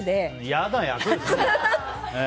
嫌な役ですね。